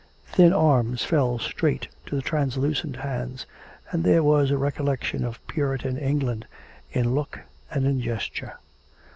Thin arms fell straight to the translucent hands, and there was a recollection of Puritan England in look and in gesture.